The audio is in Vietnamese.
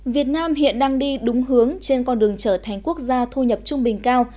việt nam hiện đang đi đúng hướng trên con đường trở thành quốc gia thu nhập trung bình cao